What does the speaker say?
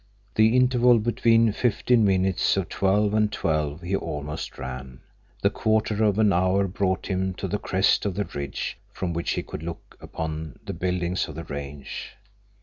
The interval between fifteen minutes of twelve and twelve he almost ran. That quarter of an hour brought him to the crest of the ridge from which he could look upon the buildings of the range.